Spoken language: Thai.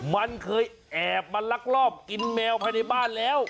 มันเคยแอบมาลักลอบกินแมวภายในบ้านแล้ว